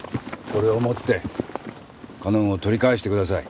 これを持ってかのんを取り返してください。